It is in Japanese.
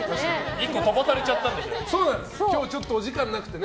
１個飛ばされちゃったんですよね。